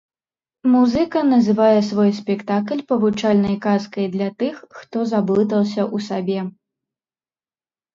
Музыка называе свой спектакль павучальнай казкай для тых, хто заблытаўся ў сабе.